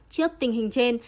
trước tình hình trên